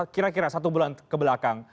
kira kira satu bulan kebelakang